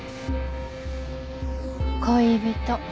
恋人。